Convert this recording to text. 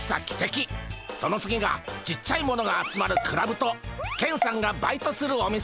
その次がちっちゃいものが集まるクラブとケンさんがバイトするお店。